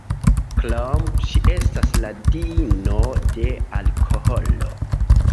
Krome, ŝi estas la diino de alkoholo.